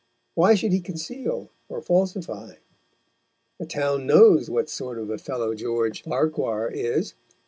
Why should he conceal or falsify? The town knows what sort of a fellow George Farquhar is.